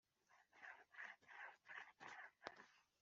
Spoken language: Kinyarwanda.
Iyo mu gukurikirana ibyaha biteganywa